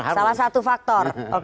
salah satu faktor